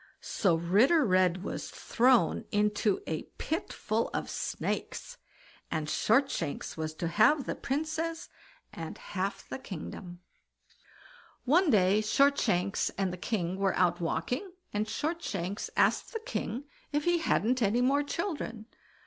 So Ritter Red was thrown into a pit full of snakes, and Shortshanks was to have the Princess and half the kingdom. One day Shortshanks and the king were out walking, and Shortshanks asked the king if he hadn't any more children?